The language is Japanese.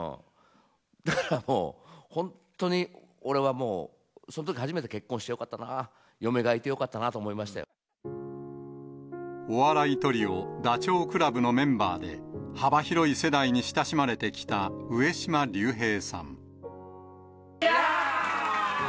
だからもう、本当に俺はもう、そのとき初めて結婚してよかったな、嫁がいてよかったなと思いまお笑いトリオ、ダチョウ倶楽部のメンバーで、幅広い世代に親しまれてきた上島竜兵さん。